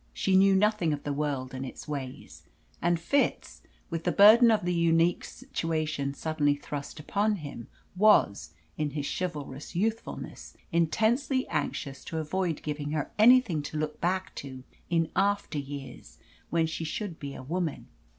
She knew nothing of the world and its ways. And Fitz, with the burden of the unique situation suddenly thrust upon him, was, in his chivalrous youthfulness, intensely anxious to avoid giving her anything to look back to in after years when she should be a woman.